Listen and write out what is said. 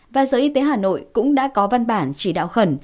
và sở y tế hà nội cũng đã có văn bản chỉ đạo khẩn